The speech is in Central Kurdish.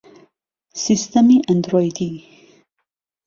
سیستەمی ئەندڕۆیدی